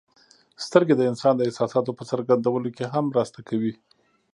سترګې د انسان د احساساتو په څرګندولو کې هم مرسته کوي.